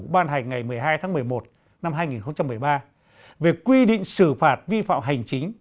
ban hành ngày một mươi hai tháng một mươi một năm hai nghìn một mươi ba về quy định xử phạt vi phạm hành chính